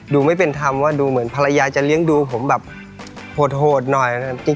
ดูไม่เป็นธรรมว่าดูเหมือนภรรยาจะเลี้ยงดูผมแบบโหดหน่อย